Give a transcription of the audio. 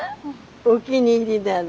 お気に入りなの。